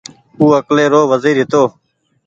او اڪلي رو وزير هيتو